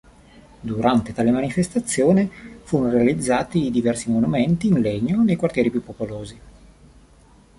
Durante tale manifestazione, furono realizzati diversi monumenti in legno nei quartieri più popolosi.